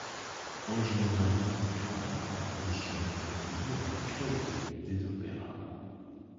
Angers-Nantes Opéra a pour mission de produire et de créer des opéras.